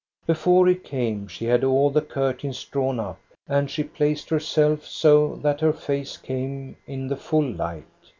Before he came, she had all the curtains drawn up, and she placed herself so that her face came in the full light.